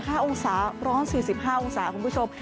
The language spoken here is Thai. หวกไปเลย๕องศาร้อน๔๕องศาคุณผู้ชม